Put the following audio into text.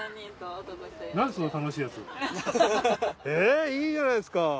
えいいじゃないですか！